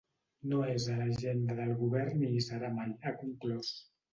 No és a l’agenda del govern ni hi serà mai, ha conclòs.